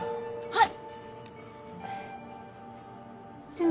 はい。